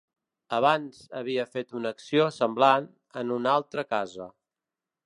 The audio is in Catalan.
Abans havia fet una acció semblant en una altra casa.